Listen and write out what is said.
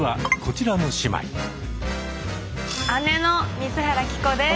姉の水原希子です。